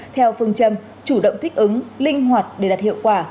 theo phương châm chủ động thích ứng linh hoạt để đạt hiệu quả